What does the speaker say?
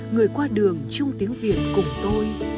người qua đường chung tiếng việt cùng tôi